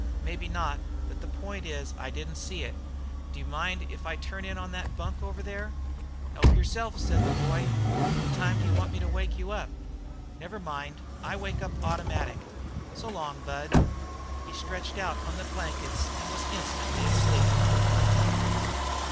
"Maybe not, but the point is I didn't see it. D'you mind if I turn in on that bunk over there?" "Help yourself," said the boy. "What time d'you want me to wake you up?" "Never mind; I wake up automatic. S'long, Bud." He stretched out on the blankets and was instantly asleep.